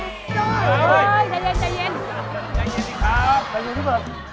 เงียบนี่ครับ